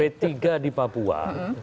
p tiga di papua